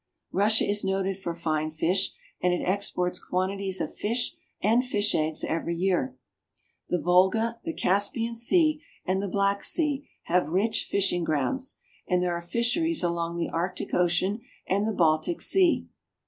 Russia is noted for fine fish, and it exports quantities of fish and fish eggs every year. The Volga, the Caspian Sea, and the Black Sea have rich fishing grounds, and there are fisheries along the Arctic Ocean and the Baltic Sea.